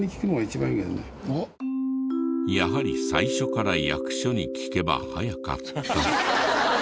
やはり最初から役所に聞けば早かった。